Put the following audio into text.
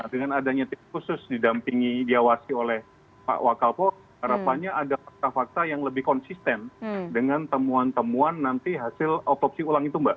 dengan adanya tim khusus didampingi diawasi oleh pak wakalpo harapannya ada fakta fakta yang lebih konsisten dengan temuan temuan nanti hasil otopsi ulang itu mbak